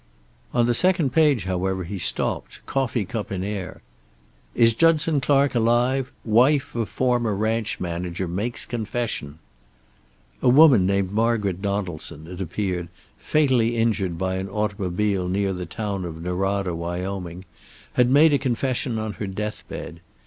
On the second page, however, he stopped, coffee cup in air. "Is Judson Clark alive? Wife of former ranch manager makes confession." A woman named Margaret Donaldson, it appeared, fatally injured by an automobile near the town of Norada, Wyoming, had made a confession on her deathbed.